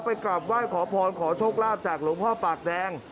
กลับไหว้ขอพรขอโชคลาภจากหลวงพ่อปากแดง